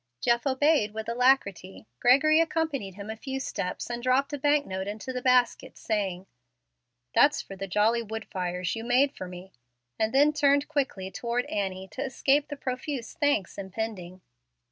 Jeff obeyed with alacrity. Gregory accompanied him a few steps, and dropped a banknote into the basket, saying, "That's for the jolly wood fires you made for me," and then turned quickly toward Annie to escape the profuse thanks impending.